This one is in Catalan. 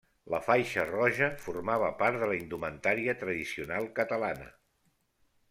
La faixa roja formava part de la indumentària tradicional catalana.